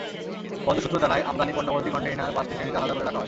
বন্দর সূত্র জানায়, আমদানি পণ্যভর্তি কনটেইনার পাঁচটি শ্রেণিতে আলাদা করে রাখা হয়।